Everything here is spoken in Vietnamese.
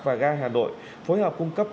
và ga hà nội phối hợp cung cấp